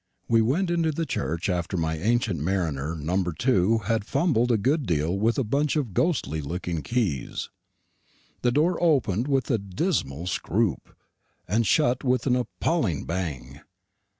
We went into the church after my ancient mariner No. 2 had fumbled a good deal with a bunch of ghostly looking keys. The door opened with a dismal scroop, and shut with an appalling bang.